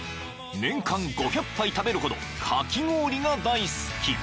［年間５００杯食べるほどかき氷が大好き］